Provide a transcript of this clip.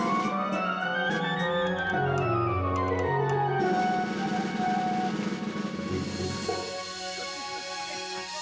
ya ya gak